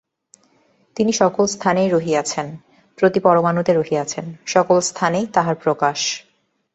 তিনি সকল স্থানেই রহিয়াছেন, প্রতি পরমাণুতে রহিয়াছেন, সকল স্থানেই তাঁহার প্রকাশ।